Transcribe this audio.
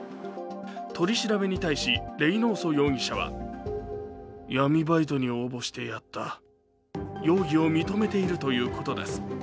取り調べに対し、レイノーソ容疑者は容疑を認めているということです。